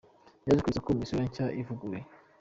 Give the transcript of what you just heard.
Yaje ku isoko mu isura nshya ivuguruye.